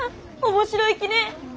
面白いきね！